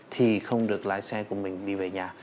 thì không được lái xe của mình đi về nhà